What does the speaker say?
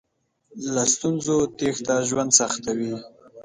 له ستونزو تېښته ژوند سختوي.